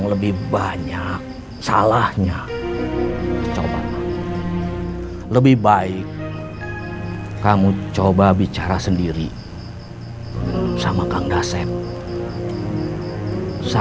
pemimpin yang baik itu menempatkan kata saya itu di depan